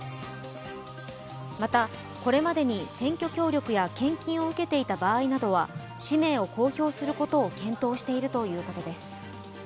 またこれまでに選挙協力や献金を受けていた場合など氏名を公表することを検討しているということです。